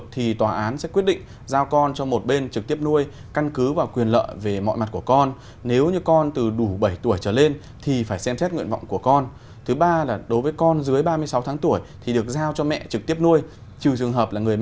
thì tòa sẽ ra quyết định là ai là người được nuôi con